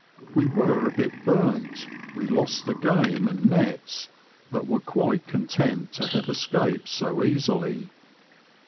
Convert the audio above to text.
We were a bit burnt, we lost the game and nets, but were quite content to have escaped so easily.